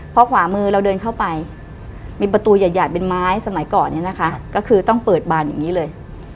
พอขวามือเราเดินเข้าไปมีประตูใหญ่เป็นไม้สมัยก่อนเนี่ยนะคะก็คือต้องเปิดบานอย่างนี้เลย